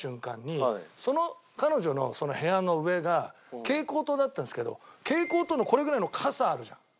その彼女の部屋の上が蛍光灯だったんですけど蛍光灯のこれぐらいのかさあるじゃん。